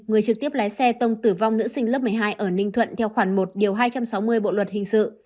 người trực tiếp lái xe tông tử vong nữ sinh lớp một mươi hai ở ninh thuận theo khoảng một điều hai trăm sáu mươi bộ luật hình sự